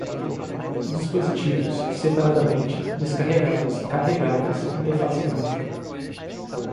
dispositivos, separadamente, descarregadas, carregadas, interface gráfica